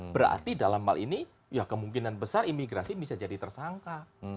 berarti dalam hal ini ya kemungkinan besar imigrasi bisa jadi tersangka